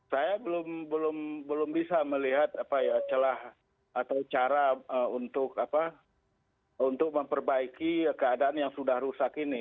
saya belum bisa melihat celah atau cara untuk memperbaiki keadaan yang sudah rusak ini